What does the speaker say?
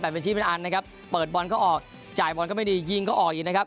เป็นที่เป็นอันนะครับเปิดบอลก็ออกจ่ายบอลก็ไม่ดียิงก็ออกอีกนะครับ